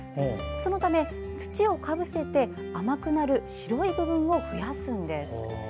そのため、土をかぶせて甘くなる白い部分を増やすんです。